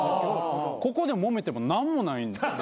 ここでもめても何もないんで。